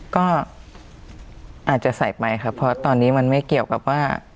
ก็อาจจะใส่ไปครับเพราะตอนนี้มันไม่เกี่ยวกับว่า